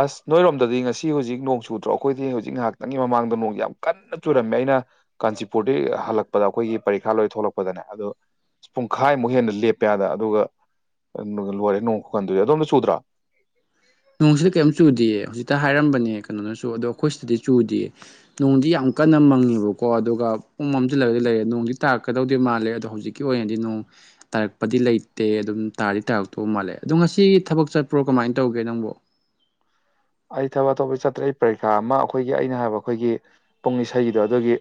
ꯑꯁ ꯅꯣꯏꯔꯣꯝꯗꯗꯤ ꯉꯁꯤ ꯍꯧꯖꯤꯛ ꯅꯣꯡ ꯆꯨꯗ꯭ꯔꯣ ꯑꯩꯈꯣꯏꯗꯤ ꯍꯧꯖꯤꯛ ꯉꯥꯏꯍꯥꯛꯇꯪꯒꯤ ꯃꯃꯥꯡꯗ ꯅꯣꯡꯁꯤ ꯌꯥꯝ ꯀꯟꯅ ꯆꯨꯔꯝꯃꯦ ꯑꯩꯅ ꯀꯥꯟꯆꯤꯄꯨꯔꯗꯒꯤ ꯍꯜꯂꯛꯄꯗ ꯑꯩꯈꯣꯏꯒꯤ ꯄꯔꯤꯈꯥ ꯂꯣꯏ ꯊꯣꯛꯂꯛꯄꯗꯅꯦ ꯑꯗꯣ ꯄꯨꯡꯈꯥꯏꯃꯨꯛ ꯍꯦꯟꯅ ꯂꯦꯞꯄꯦ ꯍꯥꯏꯕ ꯑꯗꯨꯒ ꯂꯣꯏꯔꯦ ꯅꯣꯡ ꯈꯨꯀꯟꯗꯨꯗꯤ ꯑꯗꯣꯝꯗ ꯆꯨꯗ꯭ꯔꯥ ꯅꯣꯡꯁꯤꯗ ꯀꯔꯤꯝ ꯆꯨꯗꯦꯌꯦ ꯍꯧꯖꯤꯛꯇ ꯍꯥꯏꯔꯝꯕꯅꯦ ꯀꯩꯅꯣꯅꯁꯨ ꯑꯗꯣ ꯑꯩꯈꯣꯏ ꯁꯤꯗꯗꯤ ꯆꯨꯗꯦꯌꯦ ꯅꯣꯡꯗꯤ ꯌꯥꯝ ꯀꯟꯅ ꯃꯪꯉꯦꯕꯀꯣ ꯑꯗꯨꯒ ꯄꯨꯡꯃꯝ ꯃꯝꯁꯤꯜꯂꯒꯗꯤ ꯂꯩꯔꯦ ꯅꯣꯡꯗꯤ ꯇꯥꯔꯛꯀꯗꯧꯗꯤ ꯃꯥꯜꯂꯦ ꯑꯗꯣ ꯍꯧꯖꯤꯛ ꯀꯤ ꯑꯣꯏꯅꯗꯤ ꯅꯣꯡ ꯇꯥꯔꯛꯄꯗꯤ ꯂꯩꯇꯦ ꯑꯗꯨꯝ ꯇꯥꯗꯤ ꯇꯥꯔꯛꯇꯧꯕ ꯃꯥꯜꯂꯦ ꯑꯗꯣ ꯉꯁꯤ ꯊꯕꯛ ꯆꯠꯄ꯭ꯔꯣ ꯀꯃꯥꯏꯅ ꯇꯧꯒꯦ ꯅꯪꯕꯣ ꯑꯩ ꯊꯕꯛ ꯑꯇꯣꯞꯄꯗꯤ ꯆꯠꯇ꯭ꯔꯦ ꯑꯩ ꯄꯔꯤꯈꯥ ꯑꯃ ꯑꯩꯈꯣꯏꯒꯤ ꯑꯩꯅ ꯍꯥꯏꯕ ꯑꯩꯈꯣꯏꯒꯤ ꯄꯨꯡ ꯏꯁꯩꯗꯣ ꯑꯗꯨꯒꯤ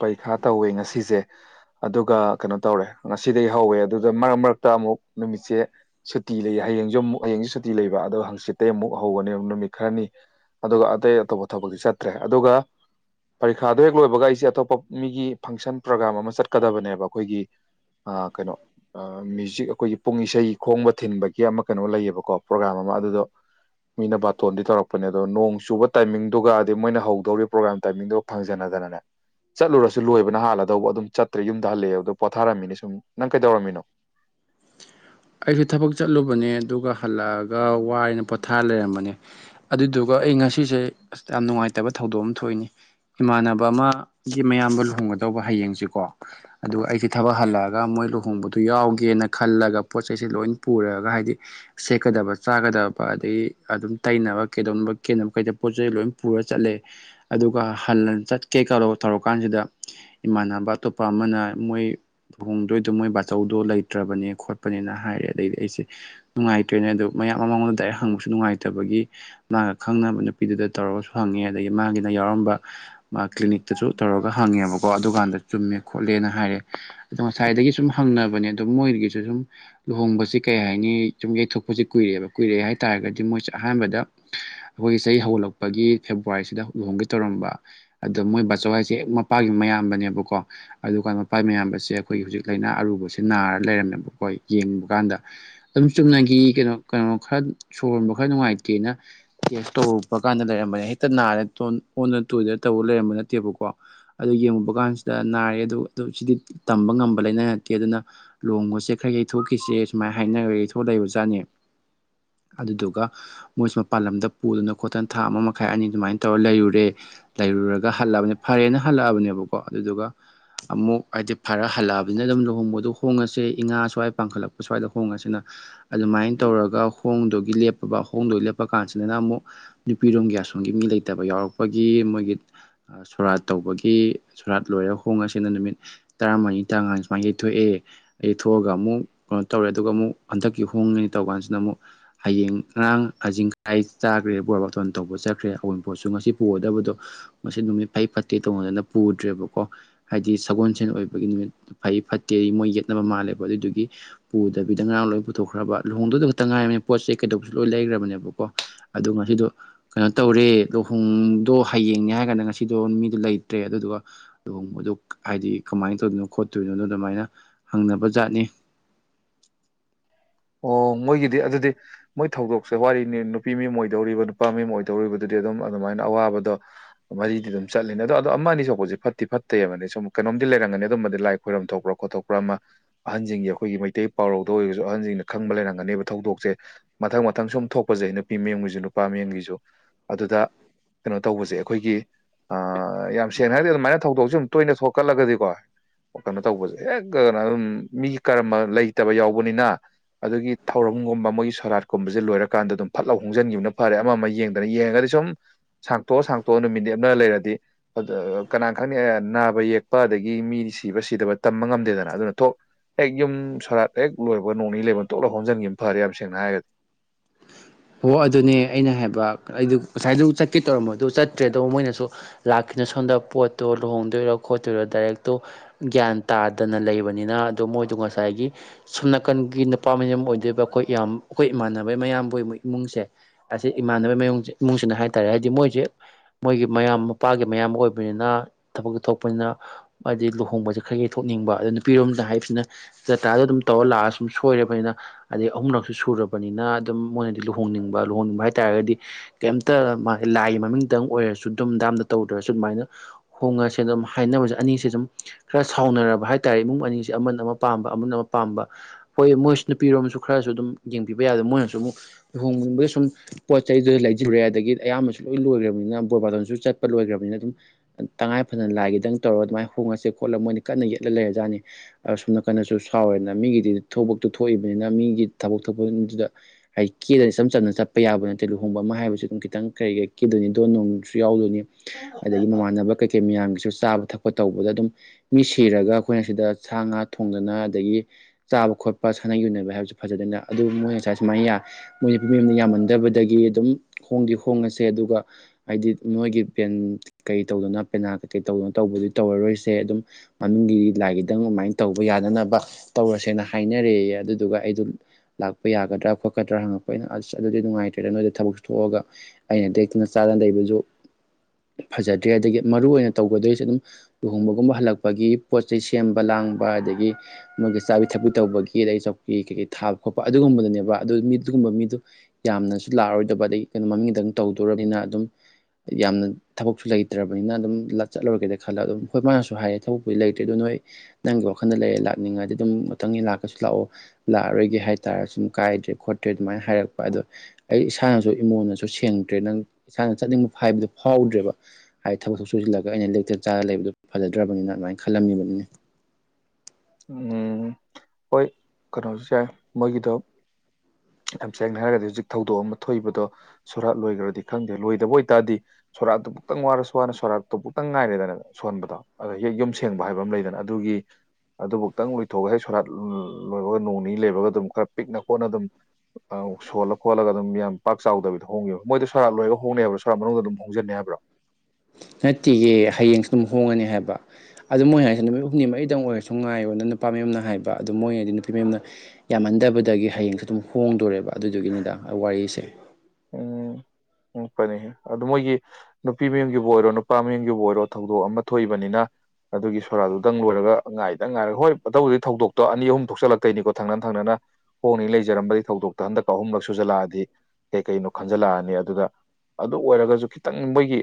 ꯄꯩꯈꯥ ꯇꯧꯋꯦ ꯉꯁꯤꯁꯦ ꯑꯗꯨꯒ ꯀꯩꯅꯣ ꯇꯧꯔꯦ ꯉꯁꯤꯗꯒꯤ ꯍꯧꯋꯦ ꯑꯗꯨꯗ ꯃꯔꯛ ꯃꯔꯛꯇ ꯑꯃꯨꯛ ꯅꯨꯃꯤꯠꯁꯦ ꯁꯨꯇꯤ ꯂꯩꯌꯦ ꯍꯌꯦꯡꯁꯨ ꯑꯃꯨꯛ ꯍꯌꯦꯡꯁꯨ ꯁꯨꯇꯤ ꯂꯩꯕ ꯑꯗꯣ ꯍꯪꯆꯤꯠꯇꯩ ꯑꯃꯨꯛ ꯍꯧꯒꯅꯦꯕ ꯅꯨꯃꯤꯠ ꯈꯔꯅꯤ ꯑꯗꯨꯒ ꯑꯇꯩ ꯑꯇꯣꯞꯄ ꯊꯕꯛꯇꯤ ꯆꯠꯇ꯭ꯔꯦ ꯑꯗꯨꯒ ꯄꯔꯤꯈꯥꯗꯣ ꯍꯦꯛ ꯂꯣꯏꯕꯒ ꯑꯩꯁꯦ ꯑꯇꯣꯞꯄ ꯃꯤꯒꯤ ꯐꯪꯁꯟ ꯄ꯭ꯔꯣꯒ꯭ꯔꯥꯝ ꯑꯃ ꯆꯠꯀꯗꯕꯅꯦꯕ ꯑꯩꯈꯣꯏꯒꯤ ꯑꯥ ꯀꯩꯅꯣ ꯑꯥ ꯃ꯭ꯌꯨꯖꯤꯛ ꯑꯩꯈꯣꯏꯒꯤ ꯄꯨꯡ ꯏꯁꯩ ꯈꯣꯡꯕ ꯊꯤꯟꯕꯒꯤ ꯑꯃ ꯀꯩꯅꯣ ꯂꯩꯌꯦꯕꯀꯣ ꯄ꯭ꯔꯣꯒꯥꯥꯝ ꯑꯃ ꯑꯗꯨꯗꯣ ꯃꯤꯅ ꯕꯥꯇꯣꯟꯗꯤ ꯇꯧꯔꯛꯄꯅꯦ ꯑꯗꯣ ꯅꯣꯡ ꯆꯨꯕ ꯇꯥꯏꯃꯤꯡꯗꯨꯒ ꯑꯗꯩ ꯃꯣꯏꯅ ꯍꯧꯗꯧꯔꯤꯕ ꯄ꯭ꯔꯣꯒ꯭ꯔꯥꯝ ꯇꯥꯏꯃꯤꯡꯗꯨꯒ ꯐꯥꯡꯖꯟꯅꯗꯅꯅꯦ ꯆꯠꯂꯨꯔꯁꯨ ꯂꯣꯏꯕꯅ ꯍꯥꯜꯂꯗꯧꯕ ꯑꯗꯨꯝ ꯆꯠꯇ꯭ꯔꯦ ꯌꯨꯝꯗ ꯍꯜꯂꯛꯑꯦ ꯑꯗꯣ ꯄꯣꯊꯥꯔꯝꯃꯤꯅꯤ ꯁꯨꯝ ꯅꯪ ꯀꯩꯗꯧꯔꯝꯃꯤꯅꯣ ꯑꯩꯁꯨ ꯊꯕꯛ ꯆꯠꯂꯨꯕꯅꯦ ꯑꯗꯨꯒ ꯍꯜꯂꯛꯑꯒ ꯋꯥꯏꯅ ꯄꯣꯊꯥ ꯂꯩꯔꯝꯕꯅꯦ ꯑꯗꯨꯗꯨꯒ ꯑꯩ ꯉꯁꯤꯁꯦ ꯑꯁ ꯌꯥꯝ ꯅꯨꯡꯉꯥꯏꯇꯕ ꯊꯧꯗꯣꯛ ꯑꯃ ꯊꯣꯛꯏꯅꯤ ꯏꯃꯥꯟꯅꯕ ꯑꯃ ꯒꯤ ꯃꯌꯥꯝꯕ ꯂꯨꯍꯣꯡꯒꯗꯧꯕ ꯍꯌꯦꯡꯁꯤꯀꯣ ꯑꯗꯨꯒ ꯑꯩꯁꯤ ꯊꯕꯛ ꯍꯜꯂꯛꯑꯒ ꯃꯣꯏ ꯂꯨꯍꯣꯡꯕꯗꯨ ꯌꯥꯎꯒꯦꯅ ꯈꯜꯂꯒ ꯄꯣꯠ ꯆꯩꯩꯁꯦ ꯂꯣꯏ ꯄꯨꯔꯒ ꯍꯥꯏꯗꯤ ꯁꯦꯠꯀꯗꯕ ꯆꯥꯒꯗꯕ ꯑꯗꯒꯤ ꯑꯗꯨꯝ ꯇꯩꯅꯕ ꯀꯩꯗꯧꯅꯕ ꯀꯦꯅꯕ ꯀꯩꯗ ꯄꯣꯠ ꯆꯩ ꯂꯣꯏ ꯄꯨꯔꯥ ꯆꯠꯂꯦ ꯑꯗꯨꯒ ꯍꯜꯂꯟ ꯆꯠꯀꯦ [unintelligible] ꯇꯧꯔ ꯀꯥꯟꯁꯤꯗ ꯏꯃꯥꯟꯅꯕ ꯑꯇꯣꯞꯄ ꯑꯃꯅ ꯃꯣꯏ ꯂꯨꯍꯣꯡꯗꯣꯏꯗꯣ ꯃꯣꯏ ꯕꯥꯆꯧꯗꯣ ꯂꯩꯇ꯭ꯔꯕꯅꯦ ꯈꯣꯠ ꯄꯅꯦꯅ ꯍꯥꯏꯔꯦ ꯑꯗꯩꯗꯤ ꯑꯩꯁꯦ ꯅꯨꯡꯉꯥꯏꯇ꯭ꯔꯦꯅꯦ ꯑꯗꯣ ꯃꯌꯥꯝ ꯃꯉꯣꯟꯗ ꯗꯥꯏꯔꯦꯛ ꯍꯪꯕꯁꯨ ꯅꯨꯡꯉꯥꯏꯇꯕꯒꯤ ꯃꯥꯒ ꯈꯪꯅꯕ ꯅꯨꯄꯤꯗꯨꯗ ꯇꯧꯔꯒꯁꯨ ꯍꯪꯉꯦ ꯑꯗꯒꯤ ꯃꯥꯒꯤꯗ ꯌꯥꯎꯔꯝꯕ ꯃꯥ ꯀ꯭ꯂꯤꯅꯤꯛꯇꯁꯨ ꯇꯧꯔꯒ ꯍꯪꯉꯦꯕꯀꯣ ꯑꯗꯨꯀꯥꯟꯗ ꯆꯨꯝꯃꯦ ꯈꯣꯠꯂꯦꯅ ꯍꯥꯏꯔꯦ ꯑꯗꯣ ꯉꯁꯥꯏꯗꯒꯤ ꯁꯨꯝ ꯍꯪꯅꯕꯅꯦ ꯑꯗꯨ ꯃꯣꯏꯗꯒꯤꯁꯨ ꯁꯨꯝ ꯂꯨꯍꯣꯡꯕꯁꯤ ꯀꯩ ꯍꯥꯏꯅꯤ ꯁꯨꯝ ꯌꯩꯊꯣꯛꯄꯁꯤ ꯀꯨꯏꯔꯦꯕ ꯀꯨꯏꯔꯦ ꯍꯥꯏꯇꯥꯔꯒꯗꯤ ꯃꯣꯏꯁꯦ ꯑꯍꯥꯟꯕꯗ ꯑꯈꯣꯏꯒꯤ ꯆꯍꯤ ꯍꯧꯒꯠꯂꯛꯄꯒꯤ ꯐꯦꯕ꯭ꯋꯥꯔꯤꯁꯤꯗ ꯍꯧ ꯂꯨꯍꯣꯡꯒꯦ ꯇꯧꯔꯝꯕ ꯑꯗꯣ ꯃꯣꯏ ꯕꯥꯆꯧ ꯍꯥꯏꯁꯦ ꯍꯦꯛ ꯃꯄꯥꯒꯤ ꯃꯌꯥꯝꯕꯅꯦꯕꯀꯣ ꯑꯗꯨ ꯈ꯭ꯋꯥꯏ ꯃꯞ ꯄꯥꯏ ꯃꯌꯥꯝꯕꯁꯦ ꯑꯩꯈꯣꯏꯒꯤ ꯍꯧꯖꯤꯛ ꯂꯥꯏꯅꯥ ꯑꯔꯨꯕꯁꯦ ꯅꯥꯔꯥ ꯂꯩꯔꯝꯃꯦꯕꯀꯣ ꯌꯦꯡꯉꯨꯕ ꯀꯥꯟꯗ ꯑꯗꯨꯝ ꯆꯨꯝꯅꯒꯤ ꯀꯩꯅꯣ ꯀꯩꯅꯣ ꯈꯔ ꯁꯣꯔ ꯍꯣꯟꯕ ꯈꯔ ꯅꯨꯡꯉꯥꯏꯇꯦꯅ ꯇꯦꯁ ꯇꯧꯔꯨꯕ ꯀꯥꯟꯗ ꯂꯩꯔꯝꯕꯅꯦ ꯍꯦꯛꯇ ꯅꯥꯔꯦ ꯇꯣꯟ ꯑꯣꯟꯗ ꯇꯣꯏꯗꯅ ꯇꯧꯔꯥ ꯂꯩꯔꯝꯕ ꯅꯠꯇꯦꯕꯀꯣ ꯑꯗꯨ ꯌꯦꯡꯉꯨꯕ ꯀꯥꯟꯁꯤꯗ ꯅꯥꯔꯦ ꯑꯗꯨ ꯑꯗꯨ ꯁꯤꯗꯤ ꯇꯝꯕ ꯉꯝꯕ ꯂꯩꯅꯥ ꯅꯠꯇꯦ ꯑꯗꯨꯅ ꯂꯨꯍꯣꯡꯕꯁꯦ ꯈꯔ ꯌꯩꯊꯣꯛꯈꯤꯁꯦ ꯁꯨꯃꯥꯏ ꯍꯥꯏꯅꯔ ꯌꯩꯊꯣꯛꯑ ꯂꯩꯕꯖꯥꯠꯅꯤ ꯑꯗꯨꯗꯨꯒ ꯃꯣꯏꯁꯨ ꯃꯄꯥꯟꯂꯝꯗ ꯄꯨꯗꯅ ꯈꯣꯠꯇꯅ ꯊꯥ ꯑꯃ ꯃꯈꯥꯏ ꯑꯅꯤ ꯗꯨꯃꯥꯏ ꯇꯧꯔ ꯂꯩꯔꯨꯔꯦ ꯂꯩꯔꯨꯔꯒ ꯍꯜꯂꯛꯑꯕꯅꯦ ꯐꯔꯦꯅ ꯍꯜꯂꯛꯑꯕꯅꯦꯕꯀꯣ ꯑꯗꯨꯗꯨꯒ ꯑꯃꯨꯛ ꯍꯥꯏꯗꯤ ꯐꯔ ꯍꯜꯂꯛꯑꯕꯅꯤꯅ ꯑꯗꯨꯝ ꯂꯨꯍꯣꯡꯕꯗꯨ ꯍꯣꯡꯉꯁꯦ ꯏꯉꯥ ꯁ꯭ꯋꯥꯏ ꯄꯥꯡꯈꯠꯂꯛꯄ ꯁ꯭ꯋꯥꯏꯗ ꯍꯣꯡꯉꯁꯦꯅ ꯑꯗꯨꯃꯥꯏ ꯇꯧꯔꯒ ꯍꯣꯡꯗꯣꯒꯤ ꯂꯦꯞꯄꯕ ꯍꯣꯡꯗꯣꯏ ꯂꯦꯞꯄ ꯀꯥꯟꯁꯤꯗꯅ ꯑꯃꯨꯛ ꯅꯨꯄꯤꯔꯣꯝꯒꯤ ꯑꯁꯣꯝꯒꯤ ꯃꯤ ꯂꯩꯇꯕ ꯌꯥꯎꯔꯛꯄꯒꯤ ꯃꯣꯏꯒꯤ ꯁꯣꯔꯥꯠ ꯇꯧꯕꯒꯤ ꯁꯣꯔꯥꯠ ꯂꯣꯏꯔ ꯍꯣꯡꯉꯁꯦꯅ ꯅꯨꯃꯤꯠ ꯇꯔꯥꯃꯔꯤ ꯇꯔꯥꯉꯥ ꯁꯨꯃꯥꯏ ꯌꯩꯊꯣꯛꯑꯦ ꯌꯩꯊꯣꯛꯑꯒ ꯑꯃꯨꯛ ꯀꯩꯅꯣ ꯇꯧꯔꯦ ꯑꯗꯨꯒ ꯑꯃꯨꯛ ꯍꯟꯗꯛꯀꯤ ꯍꯣꯡꯉꯅꯤ ꯇꯧꯀꯥꯟꯁꯤꯗ ꯑꯃꯨꯛ ꯍꯌꯦꯡ ꯉꯔꯥꯡ ꯍꯩꯖꯤꯡ ꯈꯔꯥꯏ ꯆꯥꯒ꯭ꯔꯦ ꯕꯣꯔꯕꯥꯥꯇꯣꯟ ꯇꯧꯕ ꯆꯠꯈ꯭ꯔꯦ ꯑꯋꯨꯟ ꯄꯣꯠꯁꯨ ꯉꯁꯤ ꯄꯨꯒꯗꯕꯗꯣ ꯉꯁꯤ ꯅꯨꯃꯤꯠ ꯐꯩ ꯐꯠꯇꯦ ꯇꯧꯅꯗꯅ ꯄꯨꯗ꯭ꯔꯦꯕꯀꯣ ꯍꯥꯏꯗꯤ ꯁꯒꯣꯜꯁꯦꯟ ꯑꯣꯏꯕꯒꯤ ꯅꯨꯃꯤꯠ ꯐꯩ ꯐꯠꯇꯦ ꯃꯣꯏ ꯌꯦꯠꯅꯕ ꯃꯥꯜꯂꯦꯕ ꯑꯗꯨꯏꯗꯨꯒꯤ ꯄꯨꯗꯕꯤꯗ ꯉꯔꯥꯡ ꯂꯣꯏꯅ ꯄꯨꯊꯣꯛꯈ꯭ꯔꯕ ꯂꯨꯍꯣꯡꯗꯣꯏꯗꯨ ꯈꯛꯇ ꯉꯥꯏꯔꯃꯤꯅ ꯄꯣꯠ ꯆꯩ ꯀꯩꯗꯧꯕꯁꯨ ꯂꯣꯏ ꯂꯩꯒ꯭ꯔꯕꯅꯦꯕꯀꯣ ꯑꯗꯨ ꯉꯁꯤꯗꯨ ꯀꯩꯅꯣ ꯇꯧꯔꯦ ꯂꯨꯍꯣꯡꯗꯣ ꯍꯌꯦꯡꯅꯦ ꯍꯥꯏꯀꯥꯟꯗ ꯉꯁꯤꯗꯣ ꯃꯤꯗꯣ ꯂꯩꯇ꯭ꯔꯦ ꯑꯗꯨꯗꯨꯒ ꯂꯨꯍꯣꯡꯕꯗꯨ ꯍꯥꯏꯗꯤ ꯀꯃꯥꯏ ꯇꯧꯗꯣꯏꯅꯣ ꯈꯣꯠꯇꯣꯏꯅꯣꯗꯨ ꯑꯗꯨꯃꯥꯏꯅ ꯍꯪꯅꯕ ꯖꯥꯠꯅꯤ ꯑꯣ ꯃꯣꯏꯒꯤꯗꯤ ꯑꯗꯨꯗꯤ ꯃꯣꯏ ꯊꯧꯗꯣꯛꯁꯦ ꯋꯥꯔꯤꯅꯤ ꯅꯨꯄꯤ ꯃꯌꯨꯝ ꯑꯣꯏꯗꯧꯔꯤꯕ ꯅꯨꯄꯥ ꯃꯌꯨꯝ ꯑꯣꯏꯗꯧꯔꯤꯕꯗꯨꯗꯤ ꯑꯗꯨꯝ ꯑꯗꯨꯃꯥꯏꯅ ꯑꯋꯥꯕꯗꯣ ꯃꯔꯤꯗꯤ ꯑꯗꯨꯝ ꯆꯠꯂꯤꯅꯤ ꯑꯗꯣ ꯑꯗꯣ ꯑꯃꯅꯤ ꯁꯣꯛꯄꯁꯤ ꯐꯠꯇꯤ ꯐꯠꯇꯦꯕꯅꯤ ꯁꯨꯝ ꯀꯩꯅꯣꯝꯗꯤ ꯂꯩꯔꯝꯒꯅꯤ ꯑꯗꯨꯝꯕꯗꯤ ꯂꯥꯏ ꯈꯣꯏꯔꯝ ꯊꯣꯛꯄꯥ ꯈꯣꯠꯇꯣꯛꯄ ꯄ꯭ꯔꯥ ꯑꯃ ꯑꯍꯟꯖꯤꯡꯒꯤ ꯑꯩꯈꯣꯏꯒꯤ ꯃꯩꯇꯩ ꯄꯥꯎꯔꯧꯗ ꯑꯣꯏꯔꯒꯁꯨ ꯑꯍꯟꯖꯤꯡꯅ ꯈꯪꯕ ꯂꯩꯔꯝꯒꯅꯦꯕ ꯊꯧꯗꯣꯛꯁꯦ ꯃꯊꯪ ꯃꯊꯪ ꯁꯨꯝ ꯊꯣꯛꯄꯖꯦ ꯅꯨꯄꯤ ꯃꯌꯨꯝꯒꯤꯁꯨ ꯅꯨꯄꯥ ꯃꯌꯨꯝꯒꯤꯁꯨ ꯑꯗꯨꯗ ꯀꯩꯅꯣ ꯇꯧꯕꯁꯦ ꯑꯩꯈꯣꯏꯒꯤ ꯑꯥ ꯌꯥꯝ ꯁꯦꯡꯅ ꯍꯥꯏꯔꯗꯤ ꯑꯗꯨꯃꯥꯏꯅ ꯊꯧꯗꯣꯛꯁꯤ ꯁꯨꯝ ꯇꯣꯏꯅ ꯊꯣꯛꯀꯜꯂꯒꯗꯤꯀꯣ ꯀꯩꯅꯣ ꯇꯧꯕꯁꯦ ꯍꯦꯛ ꯀ ꯅꯑꯗꯨꯝ ꯃꯤꯒꯤ ꯀꯔꯃ ꯂꯩꯇꯕ ꯌꯥꯎꯕꯅꯤꯅ ꯑꯗꯨꯒꯤ ꯊꯧꯔꯝꯒꯨꯝꯕ ꯃꯣꯏꯒꯤ ꯁꯣꯔꯥꯠꯀꯨꯝꯕꯁꯦ ꯂꯣꯏꯔꯀꯥꯟꯗ ꯑꯗꯨꯝ ꯐꯠꯂꯥꯎ ꯍꯣꯡꯖꯤꯟꯈꯤꯕꯅ ꯐꯔꯦ ꯑꯃ ꯑꯃ ꯌꯦꯡꯗꯅ ꯌꯦꯡꯉꯒꯗꯤ ꯁꯨꯝ ꯁꯥꯡꯇꯣꯛꯑ ꯁꯥꯡꯇꯣꯛꯑ ꯅꯨꯃꯤꯠ ꯂꯦꯞꯅ ꯂꯩꯔꯗꯤ, ꯑꯗ ꯀꯅꯥ ꯈꯪꯅꯤ ꯅꯥꯕ ꯌꯦꯛꯄ ꯑꯗꯒꯤ ꯃꯤꯗꯤ ꯁꯤꯕ ꯁꯤꯗꯕ ꯇꯝꯕ ꯉꯝꯗꯦꯗꯅ ꯑꯗꯨꯅ ꯊꯣꯛ ꯍꯦꯛ ꯌꯨꯝ ꯁꯣꯔꯥꯠ ꯍꯦꯛ ꯂꯣꯏꯕ ꯅꯣꯡ ꯅꯤꯅꯤ ꯂꯩꯕꯒ ꯊꯣꯛꯂꯥꯎ ꯍꯣꯟꯖꯤꯟꯈꯤꯕꯅ ꯐꯔꯦ ꯌꯥꯝ ꯁꯦꯡꯅ ꯍꯥꯏꯔꯒꯗꯤ꯫ ꯑꯣ ꯑꯗꯨꯅꯦ ꯑꯩꯅ ꯍꯥꯏꯕ ꯑꯩꯗꯨ ꯉꯁꯥꯏꯗꯨ ꯆꯠꯀꯦ ꯇꯧꯔꯝꯕꯗꯨ ꯆꯠꯇ꯭ꯔꯦ ꯑꯗꯨꯗꯣ ꯃꯣꯏꯅꯁꯨ ꯂꯥꯛꯈꯤꯅ ꯁꯣꯝꯗ ꯄꯣꯠꯇꯣ ꯂꯨꯍꯣꯡꯗꯣꯏꯔꯣ ꯈꯣꯠꯇꯣꯏꯔꯣ ꯗꯥꯏꯔꯦꯛꯇꯣ ꯒ꯭ꯌꯥꯟ ꯇꯥꯗꯅ ꯂꯩꯕꯅꯤꯅ ꯑꯗꯣ ꯃꯣꯏꯗꯣ ꯉꯁꯥꯏꯒꯤ ꯁꯣꯝ ꯅꯥꯀꯟꯒꯤ ꯅꯨꯄꯥ ꯃꯌꯝ ꯑꯣꯏꯗꯣꯏꯕ ꯑꯩꯈꯣꯏ ꯏꯌꯥꯝ ꯑꯩꯈꯣꯏ ꯏꯃꯥꯟꯅꯕꯩ ꯃꯌꯥꯝꯕ ꯏꯃꯨꯡꯁꯦ ꯑꯁꯤ ꯏꯃꯥꯟꯅꯕ ꯃꯌꯨꯝꯁꯦ ꯏꯃꯨꯡꯁꯤꯅ ꯍꯥꯏꯇꯥꯔꯦ ꯍꯥꯏꯗꯤ ꯃꯣꯏꯁꯦ ꯃꯣꯏꯒꯤ ꯃꯌꯥꯝ ꯃꯄꯥꯒꯤ ꯃꯌꯥꯝ ꯑꯣꯏꯕꯅꯤꯅ ꯊꯕꯛꯇ ꯊꯣꯛꯄꯅꯤꯅ ꯃꯥꯗꯤ ꯂꯨꯍꯣꯡꯕꯁꯦ ꯈꯔꯒꯤ ꯊꯣꯛꯅꯤꯡꯕ ꯑꯗ ꯅꯨꯄꯤꯔꯣꯝꯗ ꯍꯥꯏꯕꯁꯤꯅ ꯖꯥꯇ꯭ꯔꯥꯗꯣ ꯑꯗꯨꯝ ꯇꯧꯔ ꯂꯥꯛꯑ ꯁꯨꯝ ꯁꯣꯏꯔꯕꯅꯤꯅ ꯑꯗꯩ ꯑꯍꯨꯝꯂꯛꯁꯨ ꯁꯨꯔꯕꯅꯤꯅ ꯑꯗꯨꯝ ꯃꯣꯏꯅ ꯂꯨꯍꯣꯡꯅꯤꯡꯕ ꯂꯨꯍꯣꯡꯅꯤꯡꯕ ꯍꯥꯏꯇꯥꯥꯔꯒꯗꯤ ꯀꯩꯝꯇ ꯃꯥ ꯂꯥꯏꯒꯤ ꯃꯃꯤꯡꯇꯪ ꯑꯣꯏꯔꯁꯨ ꯗꯨꯝ ꯗꯥꯝꯗ ꯇꯧꯗ꯭ꯔꯁꯨ ꯑꯗꯨꯃꯥꯏꯅ ꯍꯣꯡꯉꯁꯦ ꯑꯗꯨꯝ ꯍꯥꯏꯅꯕꯁꯦ ꯑꯅꯤꯁꯦ ꯑꯁꯨꯝ ꯈꯔ ꯁꯥꯎꯅꯔꯕ ꯍꯥꯏ ꯇꯥꯔꯦ, ꯏꯃꯨꯡ ꯑꯅꯤꯁꯦ ꯑꯃꯅ ꯑꯃ ꯄꯥꯝꯕ ꯑꯃꯅ ꯑꯃ ꯄꯥꯝꯕ꯫ ꯍꯣꯏ ꯃꯣꯏ ꯅꯨꯄꯤꯔꯣꯝꯁꯨ ꯈꯔꯁꯨ ꯑꯗꯨꯝ ꯌꯦꯡꯕꯤꯕ ꯌꯥꯗꯦ ꯃꯣꯏꯅꯁꯨ ꯑꯃꯨꯛ ꯂꯨꯍꯣꯡꯕꯒꯤ ꯁꯨꯝ ꯄꯣꯠ ꯆꯩꯖꯨ ꯂꯩꯖꯔꯦ ꯑꯗꯒꯤ ꯑꯌꯥꯝꯕꯁꯨ ꯂꯣꯏ ꯂꯣꯏꯈ꯭ꯔꯕꯅꯤꯅ ꯕꯣꯔꯕꯥꯇꯣꯟꯁꯨ ꯆꯠꯄ ꯂꯣꯏꯈ꯭ꯔꯕꯅꯤꯅ ꯑꯗꯨꯝ ꯇꯉꯥꯏ ꯐꯗꯅ ꯂꯥꯏꯒꯤꯗꯪ ꯇꯧꯔꯒ ꯑꯗꯨꯃꯥꯏꯅ ꯍꯣꯡꯉꯁꯦ ꯈꯣꯠꯂꯒ ꯃꯣꯏꯅ ꯀꯟꯅ ꯌꯦꯠꯂ ꯂꯩꯔꯖꯥꯠꯅꯤ꯫ ꯑꯁꯣꯝ ꯅꯥ ꯀꯟꯅꯁꯨ ꯁꯥꯎꯋꯦꯅ ꯃꯤꯒꯤꯗꯤ ꯊꯕꯛꯇꯨ ꯊꯣꯛꯏꯕꯅꯤꯅ ꯃꯤꯒꯤ ꯊꯕꯛ ꯊꯣꯛꯄꯗꯨꯗ ꯀꯦꯗꯥꯅ ꯏꯆꯝ ꯆꯝꯅ ꯆꯠꯄ ꯌꯥꯕ ꯅꯠꯇꯦ ꯂꯨꯍꯣꯡꯕ ꯑꯃ ꯍꯥꯏꯕꯁꯤ ꯑꯗꯨꯝ ꯈꯤꯇꯪ ꯀꯔꯤ ꯀꯔꯤ ꯀꯦꯗꯣꯏꯅꯤ ꯗꯣꯟ ꯅꯨꯡꯁꯨ ꯌꯥꯎꯗꯣꯏꯅꯤ꯫ ꯑꯗꯒꯤ ꯃꯃꯥꯟꯅꯕ ꯀꯩꯀꯩ ꯃꯤꯌꯥꯝꯒꯤꯁꯨ ꯆꯥꯕ ꯊꯛꯄ ꯇꯧꯕꯗ ꯑꯗꯨꯝ ꯃꯤ ꯁꯤꯔꯒ ꯑꯩꯈꯣꯏꯅ ꯁꯤꯗ ꯁꯥ ꯉꯥ ꯊꯣꯡꯗꯅ ꯑꯗꯒꯤ ꯆꯥꯕ ꯈꯣꯠꯄ ꯁꯥꯅꯩ ꯌꯨꯅꯩꯕ ꯍꯥꯏꯕꯁꯨ ꯐꯖꯗꯦꯅ ꯑꯗꯨ ꯃꯣꯏ ꯉꯁꯥꯏ ꯁꯨꯃꯥꯏꯅ ꯌꯥ ꯃꯣꯏ ꯅꯨꯄꯤ ꯃꯌꯨꯝꯅ ꯌꯥꯝꯃꯟꯗꯕꯗꯒꯤ ꯑꯗꯨꯝ ꯍꯣꯡꯗꯤ ꯍꯣꯡꯉꯁꯦ ꯑꯗꯨꯒ ꯍꯥꯏꯗꯤ ꯃꯣꯏꯒꯤ ꯄꯦꯟ ꯀꯩ ꯇꯧꯗꯅ ꯄꯦꯅꯥ ꯀꯩ ꯀꯩ ꯇꯧꯗꯅ ꯇꯧꯕꯗꯤ ꯇꯧꯔꯔꯣꯏꯁꯦ ꯑꯗꯨꯝ ꯃꯅꯨꯡꯒꯤ ꯂꯥꯏꯒꯤꯗꯪ ꯑꯗꯨꯃꯥꯏꯅ ꯇꯧꯕ ꯌꯥꯗꯅꯕ ꯇꯧꯔꯁꯦꯅ ꯍꯥꯏꯅꯔꯛꯑꯦ ꯑꯗꯨꯗꯨꯒ ꯑꯩꯗꯨ ꯂꯥꯛꯄ ꯌꯥꯒꯗ꯭ꯔꯥ ꯈꯣꯠꯀꯗ꯭ꯔꯥ ꯍꯪꯉꯛ ꯑꯩꯈꯣꯏꯅ ꯑꯁ ꯑꯗꯨꯗꯤ ꯅꯨꯡꯉꯥꯏꯇ꯭ꯔꯦꯗ ꯅꯣꯏꯗ ꯊꯕꯛꯁꯨ ꯊꯣꯛꯑꯒ ꯑꯩꯅ ꯇꯦꯛꯇꯅ ꯆꯥꯗꯅ ꯂꯩꯕꯁꯨ ꯐꯖꯗ꯭ꯔꯦ ꯑꯗꯒꯤ ꯃꯔꯨ ꯑꯣꯏꯅ ꯇꯧꯒꯗꯣꯏꯁꯦ ꯑꯗꯨꯝ ꯂꯨꯍꯣꯡꯕꯒꯨꯝꯕ ꯍꯜꯂꯛꯄꯒꯤ ꯄꯣꯠ ꯆꯩ ꯁꯦꯝꯕ ꯂꯥꯡꯕ ꯑꯗꯒꯤ, ꯃꯣꯏꯒꯤ ꯆꯥꯕꯤ ꯊꯛꯄꯤ ꯇꯧꯕꯒꯤ ꯑꯗꯒꯤ ꯆꯧꯀꯤ ꯀꯩꯀꯩ ꯊꯥꯕ ꯈꯣꯠꯄ ꯑꯗꯨꯒꯨꯝꯕꯗꯨꯅꯦꯕ ꯑꯗꯨ ꯑꯗꯨꯒꯨꯝꯕ ꯃꯤꯗꯨ ꯌꯥꯝꯅꯁꯨ ꯂꯥꯛꯑꯔꯣꯏꯗꯕ ꯑꯗꯒꯤ ꯀꯩꯅꯣ ꯃꯃꯤꯡꯗꯪ ꯇꯧꯗꯣꯕꯔꯅꯤꯅ ꯑꯗꯨꯝ ꯌꯥꯝꯅ ꯊꯕꯛꯁꯨ ꯂꯩꯇ꯭ꯔꯕꯅꯤꯅ ꯑꯗꯨꯝ ꯆꯠꯂꯔꯣꯏꯒꯦꯗ ꯈꯜꯂꯒ ꯑꯗꯨꯝ ꯍꯣꯏ ꯃꯥꯅꯁꯨ ꯍꯥꯏꯌꯦ ꯊꯕꯛꯄꯨꯗꯤ ꯂꯩꯇ꯭ꯔꯦ ꯑꯗꯨ ꯅꯣꯏ ꯅꯪꯒꯤ ꯋꯥꯈꯟꯗ ꯂꯩꯔꯦ꯫ ꯂꯥꯛꯅꯤꯡꯉꯗꯤ ꯑꯗꯨꯝ ꯃꯊꯪꯒꯤ ꯂꯥꯛꯑꯒꯁꯨ ꯂꯥꯛꯑꯣ꯫ ꯂꯥꯛꯑꯔꯣꯏꯒꯦ ꯍꯥꯏꯇꯥꯔꯁꯨ ꯀꯥꯏꯗ꯭ꯔꯦ ꯈꯣꯠꯇ꯭ꯔꯦ ꯑꯗꯨꯃꯥꯏꯅ ꯍꯥꯏꯔꯛꯄ ꯑꯗꯣ ꯑꯩ ꯏꯁꯥꯅꯁꯨ ꯏꯃꯣꯟꯅꯁꯨ ꯁꯦꯡꯗ꯭ꯔꯦ ꯅꯪ ꯏꯁꯥꯅ ꯆꯠꯅꯤꯡꯕ ꯍꯥꯏꯕꯗꯨ ꯐꯥꯎꯗ꯭ꯔꯦꯕ꯫ ꯍꯥꯏꯗꯤ ꯊꯕꯛꯁꯨ ꯁꯨꯁꯤꯜꯂꯒ ꯑꯩꯅ ꯂꯦꯛꯇ ꯆꯥꯔ ꯂꯩꯕꯗꯨꯣ ꯐꯖꯗ꯭ꯔꯕꯅꯤꯅ ꯑꯗꯨꯃꯥꯏꯅ ꯈꯜꯂꯝꯅꯤꯕ ꯃꯤꯅ꯫ ꯍꯣꯏ ꯀꯩꯅꯣꯁꯨ ꯌꯥꯏ ꯃꯣꯏꯒꯤꯗꯣ ꯌꯥꯝ ꯁꯦꯡꯅ ꯍꯥꯏꯔꯒꯗꯤ ꯍꯧꯖꯤꯛ ꯊꯧꯗꯣꯛ ꯑꯃ ꯊꯣꯛꯏꯕꯗꯣ ꯁꯣꯔꯥꯠ ꯂꯣꯏꯈ꯭ꯔꯗꯤ ꯈꯪꯗꯦ ꯂꯣꯏꯗꯕ ꯑꯣꯏꯇꯥꯔꯗꯤ ꯁꯣꯔꯥꯠꯇꯣꯕꯨꯛꯇꯪ ꯋꯥꯔꯁꯨ ꯋꯥꯅ ꯁꯣꯔꯥꯥꯛꯇꯣꯕꯨꯛꯇꯪ ꯉꯥꯏꯔꯦꯗꯅ ꯁꯣꯟꯕꯗꯣ ꯑꯗ ꯍꯦꯛ ꯌꯨꯝ ꯁꯦꯡꯕ ꯍꯥꯏꯕ ꯑꯃ ꯂꯩꯗꯅ ꯑꯗꯨꯒꯤ ꯑꯗꯨꯕꯨꯛꯇꯪ ꯂꯣꯏꯊꯣꯛꯑꯒ ꯍꯦꯛ ꯁꯣꯔꯥꯠ ꯂꯣꯏꯕꯒ ꯅꯣꯡ ꯅꯤꯅꯤ ꯂꯩꯕꯒ ꯑꯗꯨꯝ ꯈꯔ ꯄꯤꯛꯅ ꯈꯣꯠꯅ ꯑꯗꯨꯝ ꯑ ꯁꯣꯜꯂ ꯈꯣꯠꯂꯒ ꯑꯗꯨꯝ ꯌꯥꯝ ꯄꯥꯛ ꯆꯥꯎꯗꯕꯤꯗ ꯍꯣꯡꯉꯦꯕ ꯃꯣꯏꯗꯣ꯫ꯁꯣꯔꯥꯠ ꯂꯣꯏꯔ ꯍꯣꯡꯅꯤ ꯍꯥꯏꯕ꯭ꯔꯣ, ꯁꯣꯔꯥꯠ ꯃꯅꯨꯡꯗ ꯑꯗꯨꯝ ꯍꯣꯡꯖꯟꯅꯤ ꯍꯥꯏꯕ꯭ꯔꯣ? ꯅꯠꯇꯤꯌꯦ ꯍꯌꯦꯡꯁꯦ ꯑꯗꯨꯝ ꯍꯣꯡꯉꯅꯤ ꯍꯥꯏꯕ ꯑꯗꯣ ꯃꯣꯏ ꯍꯥꯏꯁꯦ ꯅꯨꯠ ꯍꯨꯝꯅꯤ ꯃꯥꯔꯤꯗꯪ ꯑꯣꯏꯔꯁꯨ ꯉꯥꯏꯌꯣꯅ ꯅꯨꯄꯥ ꯃꯌꯨꯝꯅ ꯍꯥꯏꯕ ꯑꯗꯨ ꯃꯣꯏ ꯍꯥꯏꯗꯤ ꯅꯨꯄꯤ ꯃꯌꯨꯝꯅ ꯌꯥꯝꯃꯟꯗꯕꯗꯒꯤ ꯍꯌꯦꯡꯁꯨ ꯑꯗꯨꯝ ꯍꯣꯡꯗꯣꯔꯦꯕ ꯑꯗꯨꯗꯨꯒꯤꯅꯤꯗ ꯋꯥꯔꯤꯁꯦ ꯎꯪ ꯄꯅ‌ꯦꯍ‌ꯦ ꯑꯗꯨ ꯃꯣꯏꯒꯤ ꯅꯨꯄꯤ ꯃꯌꯨꯝꯒꯤꯕꯨ ꯑꯣꯏꯔꯣ ꯅꯨꯄꯥ ꯃꯌꯨꯝꯒꯤꯕꯨ ꯑꯣꯏꯔꯣ ꯊꯧꯗꯣꯛ ꯑꯃ ꯊꯣꯛꯏꯕꯅꯤꯅ ꯑꯗꯨꯒꯤ ꯁꯣꯔꯥꯗꯨꯗꯪ ꯂꯣꯏꯔꯒ ꯉꯥꯏꯗꯪ ꯉꯥꯏꯔꯒ ꯍꯣꯏ ꯑꯇꯧꯕꯨꯗꯤ ꯊꯧꯗꯣꯛꯇꯣ ꯑꯅꯤ ꯑꯍꯨꯝ ꯊꯣꯛꯆꯜꯂꯛꯇꯩꯅꯤꯀꯣ ꯊꯪꯅ ꯊꯪꯅꯅ ꯍꯣꯡꯅꯤ ꯂꯩꯖꯔꯝꯕꯗꯩ ꯊꯧꯗꯣꯛꯇ ꯍꯟꯗꯛꯀ ꯑꯍꯨꯝꯂꯛ ꯁꯨꯖꯜꯂꯛꯑꯗꯤ ꯀꯩ ꯀꯩꯅꯣ ꯈꯟꯖꯜꯂꯛꯑꯅꯤ ꯑꯗꯨꯗ ꯑꯗꯨ ꯑꯣꯏꯔꯒꯁꯨ ꯈꯤꯇꯪ ꯃꯣꯏꯒꯤ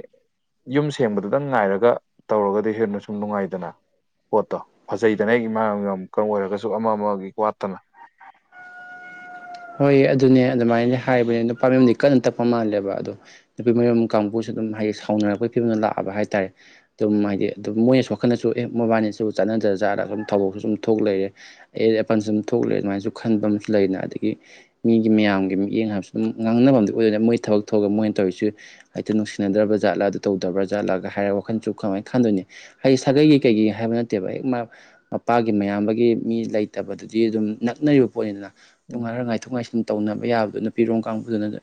ꯌꯨꯝ ꯁꯦꯡꯕꯗꯨꯗꯪ ꯉꯥꯏꯔꯒ ꯇꯧꯔꯒꯗꯤ ꯍꯦꯟꯅ ꯁꯨꯝ ꯅꯨꯡꯉꯥꯏꯗꯅ ꯄꯣꯠꯇꯣ ꯐꯖꯩꯗꯅ ꯑꯩ ꯏꯃꯥ [unintelligible] ꯑꯣꯏꯔꯒꯁꯨ ꯑꯃ ꯑꯃꯒꯤ ꯋꯥꯠꯇꯅ ꯍꯣꯏꯌ‌ꯦ ꯑꯗꯨꯅꯦ ꯑꯗꯨꯃꯥꯏꯗꯤ ꯍꯥꯏꯕꯅꯤ ꯅꯨꯄꯥ ꯃꯌꯨꯝꯗꯤ ꯀꯟꯅ ꯇꯛꯄ ꯃꯥꯜꯂꯦꯕ ꯑꯗꯣ ꯅꯨꯄꯤ ꯃꯌꯨꯝ ꯀꯥꯡꯕꯨꯁꯨ ꯑꯗꯨꯝ ꯍꯥꯏꯌꯦ ꯁꯥꯎꯅꯔꯛꯄꯩ ꯐꯤꯕꯝꯗ ꯂꯥꯛꯑꯕ ꯍꯥꯏꯇꯥꯔꯦ ꯑꯗꯨꯝ ꯍꯥꯏꯗꯤ ꯑꯗꯨꯝ ꯃꯣꯏꯅꯁꯨ ꯋꯥꯈꯜꯅꯁꯨ ꯑꯦ ꯃꯣꯏꯕꯥꯏꯅꯤꯁꯤꯕꯨ ꯆꯠꯅꯗ꯭ꯔꯖꯥꯠꯂꯥ ꯁꯨꯝ ꯊꯧꯗ‌ꯣꯛꯇ‌ꯣ ꯁꯨꯝ ꯊꯣꯛ ꯂꯩꯔꯦ ꯑꯩꯌꯦꯠ ꯑꯄꯟꯁꯨꯝ ꯊꯣꯛ ꯂꯩꯔ‌ꯦ‌ ꯑꯗꯨꯃꯥꯏꯖꯨ ꯈꯟꯕ ꯑꯃꯁꯨ ꯂꯩꯗꯅ ꯑꯗꯒꯤ ꯃꯤꯒꯤ ꯃꯌꯥꯝꯒꯤ ꯃꯤꯠꯌꯦꯡ ꯍꯥꯏꯕꯁꯨ ꯑꯗꯨꯝ ꯉꯥꯡꯅꯕ ꯑꯃꯗꯤ ꯑꯣꯏꯗꯅ ꯃꯣꯏ ꯊꯕꯛ ꯊꯣꯛꯑꯒ ꯃꯣꯏꯅ ꯇꯧꯔꯤꯁꯤ ꯍꯥꯏꯇꯤ ꯅꯨꯡꯁꯤꯅꯗ꯭ꯔꯕꯖꯥꯠꯂ ꯑꯗꯨ ꯇꯧꯗ꯭ꯔꯕꯖꯥꯠꯂꯒ ꯍꯥꯏꯔ ꯋꯥꯈꯟꯁꯨ ꯀꯃꯥꯏ ꯈꯟꯗꯣꯏꯅꯤ ꯍꯥꯏꯗꯤ ꯁꯥꯒꯩꯒꯤ ꯀꯩꯒꯤ ꯍꯥꯏꯕ ꯅꯠꯇꯦꯕ ꯍꯦꯛ ꯃꯥ ꯃꯄꯥꯒꯤ ꯃꯌꯥꯝꯕꯒꯤ ꯃꯤ ꯂꯩꯇꯕꯗꯨꯗꯤ ꯑꯗꯨꯝ ꯅꯛꯅꯔꯤꯕ ꯄꯣꯠꯅꯤꯗꯅ ꯎꯝ ꯇꯨꯉꯥꯔ ꯉꯥꯏꯊꯣꯛ ꯉꯥꯏꯁꯤꯟ ꯇꯧꯅꯕ ꯌꯥꯕꯗꯣ ꯅꯨꯄꯤꯔꯣꯝ ꯀꯥꯡꯕꯨꯗꯨꯅꯖꯨ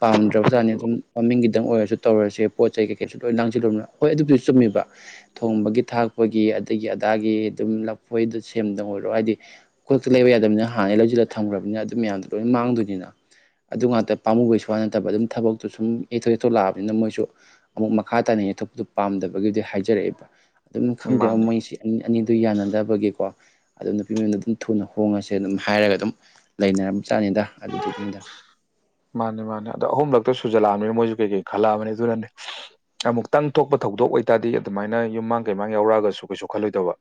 ꯄꯥꯝꯗ꯭ꯔꯕꯖꯥꯠꯅꯤ ꯑꯗꯨꯝ ꯃꯃꯤꯡꯒꯤꯗꯪ ꯑꯣꯏꯔꯖꯨ ꯇꯧꯔꯁꯦ ꯄꯣꯠ ꯆꯩ ꯀꯩꯀꯩꯁꯨ ꯂꯣꯏ ꯂꯥꯡꯖꯤꯜꯂꯨꯕꯅ ꯍꯣꯏ ꯑꯗꯨꯕꯨꯗꯤ ꯆꯨꯝꯃꯤꯕ ꯊꯣꯡꯕꯒꯤ ꯊꯥꯛꯄꯒꯤ ꯑꯗꯩꯒꯤ ꯑꯗꯥꯒꯤ ꯑꯗꯨꯝ ꯂꯐꯣꯏꯗ ꯁꯦꯝꯗ ꯑꯣꯏꯔꯣ ꯍꯥꯏꯗꯤ ꯈꯨꯗꯛꯇ ꯂꯩꯕ ꯌꯥꯗꯕꯅꯤꯅ ꯍꯥꯟꯅꯩ ꯂꯩꯖꯤꯜꯂ ꯊꯝꯒ꯭ꯔꯕꯅꯤꯅ ꯑꯗꯨ ꯃꯌꯥꯝꯗꯣ ꯂꯣꯏ ꯃꯥꯡꯗꯣꯏꯅꯤꯅ ꯑꯗꯨ ꯉꯥꯛꯇ ꯄꯥꯃꯨꯕꯩꯁꯨ ꯋꯥꯥ ꯅꯠꯇꯕ ꯑꯗꯨꯝ ꯊꯕꯛꯇꯨ ꯁꯨꯝ ꯌꯩꯊꯣ ꯌꯩꯊꯣ ꯂꯥꯛꯑꯕꯅꯤꯅ ꯃꯣꯏꯁꯨ ꯑꯃꯨꯛ ꯃꯈꯥ ꯇꯥꯅ ꯌꯩꯊꯣꯛꯄꯗꯨ ꯄꯥꯝꯗꯕꯒꯤꯗꯤ ꯍꯥꯏꯖꯔꯛꯑꯦꯕ ꯑꯗꯨꯝ ꯎꯝ ꯈꯪꯗꯦꯕ ꯃꯥꯅꯦ ꯃꯣꯏꯁꯦ ꯑꯅꯤ ꯑꯅꯤꯗꯨ ꯌꯥꯅꯗꯕꯒꯤꯀꯣ ꯑꯗꯨꯝ ꯅꯨꯄꯤ ꯃꯌꯨꯝꯗ ꯑꯗꯨꯝ ꯊꯨꯅ ꯍꯣꯡꯉꯁꯦ ꯑꯗꯨꯝ ꯍꯥꯏꯔꯒ ꯑꯗꯨꯝ ꯂꯩꯅꯔꯝꯕ ꯖꯥꯠꯅꯤꯗ ꯑꯗꯨꯗꯨꯒꯤꯅꯤꯗ ꯃꯥꯅꯦ ꯃꯥꯅꯦ ꯑꯗꯣ ꯑꯍꯨꯝꯂꯛꯇ ꯁꯨꯖꯜꯂꯛꯑꯕꯅꯤꯅ ꯃꯣꯏꯖꯨ ꯀꯩꯀꯩ ꯈꯜꯂꯛꯑꯕꯅꯤ ꯑꯗꯨꯅꯅꯦ ꯑꯃꯨꯛꯇꯪ ꯊꯣꯛꯄ ꯊꯧꯗꯣꯛ ꯑꯣꯏꯇꯥꯔꯗꯤ ꯑꯗꯨꯃꯥꯏꯅ ꯌꯨꯝꯃꯥꯡ ꯀꯩꯃꯥꯡ ꯌꯥꯎꯔꯛꯑꯒꯁꯨ ꯀꯩꯁꯨ ꯈꯜꯂꯣꯏꯗꯕ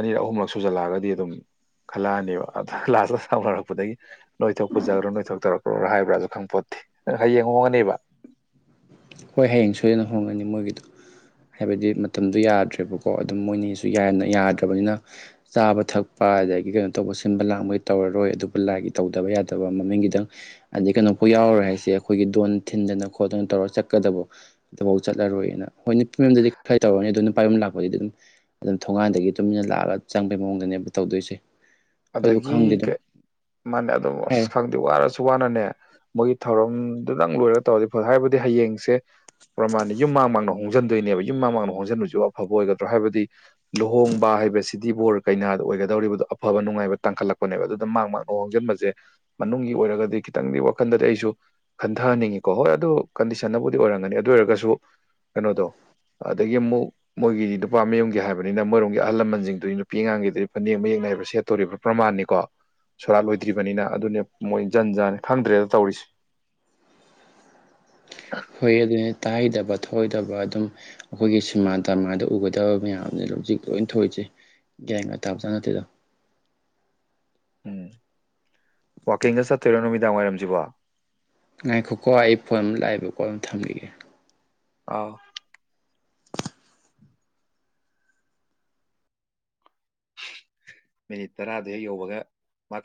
ꯑꯅꯤꯔꯛ ꯑꯍꯨꯝꯂꯛ ꯁꯨꯖꯜꯂꯛꯑꯒꯗꯤ ꯑꯗꯨꯝ ꯈꯜꯂꯛꯑꯅꯦꯕ ꯑꯗ ꯂꯥꯁꯇ ꯁꯥꯎꯅꯔꯛꯄꯗꯒꯤ ꯅꯣꯏꯊꯣꯛ ꯄꯨꯖꯒ꯭ꯔꯣ ꯅꯣꯏ ꯊꯣꯛ ꯇꯧꯔꯛꯈ꯭ꯔꯣ ꯍꯥꯏꯕ꯭ꯔꯥ ꯈꯪꯄꯣꯠꯇ‌ꯦ ꯍꯌꯦꯡ ꯍꯣꯡꯉꯅꯦꯕ ꯍꯣꯏ ꯍꯌꯦꯡ ꯁꯣꯏꯗꯅ ꯍꯣꯡꯒꯅꯤ ꯃꯣꯏꯒꯤꯗꯣ ꯍꯥꯏꯕꯗꯤ ꯃꯇꯝꯗꯣ ꯌꯥꯗ꯭ꯔꯦꯕꯀꯣ ꯑꯗꯨꯝ ꯃꯣꯏꯅꯤꯁꯨ ꯌꯥꯟꯅ ꯌꯥꯗ꯭ꯔꯕꯅꯤꯅ ꯆꯥꯕ ꯊꯛꯄ ꯑꯗꯒꯤ ꯀꯩꯅꯣ ꯇꯧꯕ ꯁꯤꯟꯕ ꯂꯥꯡꯕ ꯃ‌ꯣꯏ ꯇꯧꯔꯔꯣꯏ ꯑꯗꯨꯕꯨ ꯂꯥꯏꯒꯤ ꯇꯧꯗꯕ ꯌꯥꯗꯕ ꯃꯃꯤꯡꯒꯤꯗꯪ ꯑꯗꯩ ꯀꯩꯅꯣꯐ‌ꯣꯏ ꯌꯥꯎꯔꯔꯣꯏ ꯍꯥꯏꯁꯦ ꯑꯩꯈꯣꯏꯒꯤ ꯗꯣꯟ ꯊꯤꯟꯗꯅ ꯈꯣꯠꯇꯅ ꯇꯧꯔꯒ ꯆꯠ ꯀꯗꯕꯣ ꯑꯗꯨꯐꯧ ꯆꯠꯂꯔꯣꯏꯅ ꯍꯣꯏ ꯅꯨꯄꯤ ꯃꯌꯨꯝꯗꯗꯤ ꯈꯔ ꯇꯧꯔꯅꯤ ꯑꯗꯨ ꯅꯨꯄꯥꯥꯏ ꯌꯨꯝ ꯂꯥꯛꯄꯗꯗꯤ ꯑꯗꯨꯝ ꯑꯗꯨꯝ ꯊꯣꯡꯒꯥꯟꯗꯒꯤ ꯇꯨꯃꯤꯟꯅ ꯂꯥꯛꯑꯒ ꯆꯪꯕꯩ ꯃꯑꯣꯡꯗꯅꯦꯕ ꯇꯧꯗꯣꯏꯁꯦ ꯑꯗꯨ ꯈꯪꯗꯦ ꯑꯗꯒꯤ ꯑꯗꯨꯝ ꯀꯩ ꯃꯥꯅꯦ ꯑꯗ‌ꯣ ꯑꯁ ꯍꯥꯏꯔꯦ ꯈꯪ ꯋꯥꯔꯁꯨ ꯋꯥꯅꯅꯦ ꯃꯣꯏꯒꯤ ꯊꯧꯔꯝꯗꯨꯗꯪ ꯂꯣꯏꯔ ꯇꯧꯔꯗꯤ ꯐꯗꯧ ꯍꯥꯏꯕꯗꯤ ꯍꯌꯦꯡꯁꯦ ꯄ꯭ꯔꯃꯥꯟꯅꯤ ꯌꯨꯝ ꯃꯥꯡ ꯃꯥꯡꯅ ꯍꯣꯡꯖꯤꯟꯗꯣꯏꯅꯦꯕ ꯌꯨꯝ ꯃꯥꯡ ꯃꯥꯡꯅ ꯍꯣꯡꯖꯟꯕꯁꯤꯕꯨ ꯑꯐꯕ ꯑꯣꯏꯒꯗ꯭ꯔꯣ ꯍꯥꯏꯕꯗꯤ ꯂꯨꯍꯣꯡꯕ ꯍꯥꯏꯕꯁꯤꯗꯤ ꯕꯣꯔ ꯀꯩꯅꯥ ꯑꯣꯏꯒꯗꯧꯔꯤꯕꯗꯣ ꯑꯐꯕ ꯅꯨꯡꯉꯥꯏꯕ ꯇꯥꯡꯈꯠꯂꯛꯄꯅꯦꯕ ꯑꯗꯨꯗ ꯃꯥꯡ ꯃꯥꯡꯅ ꯍꯣꯡꯖꯤꯟꯕꯁꯦ ꯃꯅꯨꯡꯒꯤ ꯑꯣꯏꯔꯒꯗꯤ ꯈꯤꯇꯪꯗꯤ ꯋꯥꯈꯟꯗꯗꯤ ꯑꯩꯁꯨ ꯈꯟꯊꯍꯟꯅꯤꯡꯉꯤꯀꯣ ꯍꯣꯏ ꯑꯗꯨ ꯀꯟꯗꯤꯁꯟꯅꯕꯨꯗꯤ ꯑꯣꯏꯔꯝꯒꯅꯤ ꯑꯗꯨ ꯑꯣꯏꯔꯒꯁꯨ ꯀꯩꯅꯣꯗꯣ ꯑꯗꯒꯤ ꯑꯃꯨꯛ ꯃꯣꯏꯒꯤ ꯅꯨꯄꯥ ꯃꯌꯨꯝꯒꯤ ꯍꯥꯏꯕꯅꯤꯅ ꯃꯣꯏꯔꯣꯝꯒꯤ ꯑꯍꯜ ꯂꯃꯟꯖꯤꯡꯗꯨꯗꯤ ꯅꯨꯄꯤ ꯑꯉꯥꯡꯒꯤꯗꯤ ꯐꯅꯦꯛ ꯃꯌꯦꯛꯅꯥꯏꯕ ꯊꯦꯠꯇꯣꯔꯤꯕ ꯄ꯭ꯔꯃꯥꯟꯅꯤꯀꯣ ꯁꯣꯔꯥꯠ ꯂꯣꯏꯗ꯭ꯔꯤꯕꯅꯤꯅ ꯑꯗꯨꯅꯦ ꯃꯣꯏ ꯖꯟ ꯖꯥꯅꯤ ꯈꯪꯗ꯭ꯔꯦꯗ ꯇꯧꯔꯤꯁꯦ ꯍꯣꯏ ꯑꯗꯨꯅꯦ ꯇꯥꯍꯩꯗꯕ ꯊꯣꯑꯣꯏꯗꯕ ꯑꯗꯨꯝ ꯑꯈꯣꯏꯒꯤ ꯁꯤꯝꯃꯥ ꯗꯝꯃꯥꯗ ꯎꯒꯗꯕ ꯃꯌꯥꯝꯖꯤ ꯍꯧꯖꯤꯛ ꯂꯣꯏꯟ ꯊꯣꯏꯖꯦ ꯒ꯭ꯌꯥꯡꯒ ꯇꯥꯕꯖꯥ ꯅꯠꯇꯦꯗ ꯎꯝ ꯋꯥꯛꯀꯤꯡꯒ ꯆꯠꯇꯣꯏꯔꯣ ꯅꯨꯃꯤꯗꯥꯡ ꯋꯥꯏꯔꯝꯖꯤꯕꯣ ꯉꯥꯏꯈꯣꯀꯣ ꯑꯩ ꯐꯣꯟ ꯑꯝ ꯂꯥꯑꯦꯕꯀꯣ ꯑꯝ ꯊꯝꯒꯤꯒꯦ ꯑꯥꯎ ꯃꯤꯅꯤꯠ ꯇꯔꯥꯗꯨ ꯍꯦꯛ ꯌꯧꯕꯒ ꯃꯥ